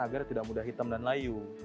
agar tidak mudah hitam dan layu